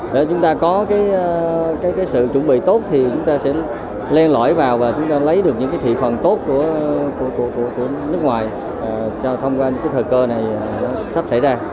để chúng ta có cái sự chuẩn bị tốt thì chúng ta sẽ len lõi vào và chúng ta lấy được những cái thị phần tốt của nước ngoài thông qua những cái thời cơ này sắp xảy ra